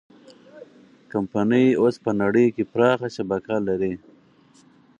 کمپنۍ اوس په نړۍ کې پراخه شبکه لري.